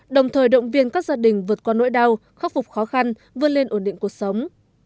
đồng thời động viên các gia đình vượt qua nỗi đau khắc phục khó khăn vươn lên ổn định cuộc sống